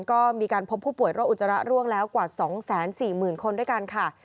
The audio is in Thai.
ก็มีการพบผู้ป่วยโรคอุจจาระร่วงแล้วกว่า๒๔๐๐๐คนด้วยกันค่ะ